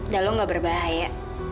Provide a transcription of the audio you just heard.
dan lo gak berbahaya